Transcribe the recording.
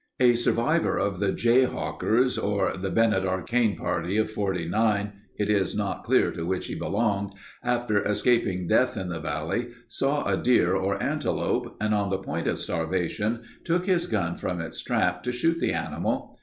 A survivor of the Jayhawkers or the Bennett Arcane party of '49 (it is not clear to which he belonged) after escaping death in the valley, saw a deer or antelope and on the point of starvation, took his gun from its strap to shoot the animal.